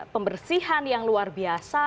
pembersihan yang luar biasa